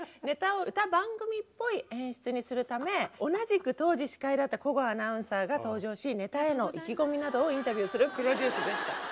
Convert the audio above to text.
ネタを歌番組っぽい演出にするため同じく当時司会だった小郷アナウンサーが登場しネタへの意気込みなどをインタビューするプロデュースでした。